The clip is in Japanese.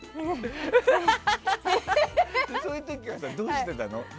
そういう時は、どうしてたの？